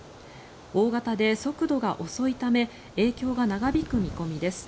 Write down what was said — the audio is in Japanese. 大型で速度が遅いため影響が長引く見込みです。